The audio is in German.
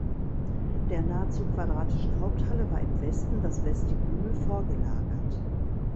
Der nahezu quadratischen Haupthalle war im Westen das Vestibül vorgelagert.